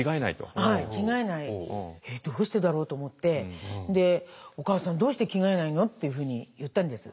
どうしてだろうと思って「お母さんどうして着替えないの？」っていうふうに言ったんです。